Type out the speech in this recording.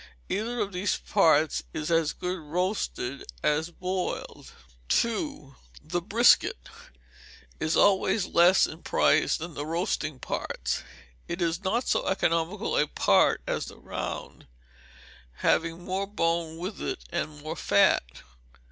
Either of these parts is as good roasted as boiled. ii. The Brisket is always less in price than the roasting parts. It is not so economical a part as the round, having more bone with it, and more fat.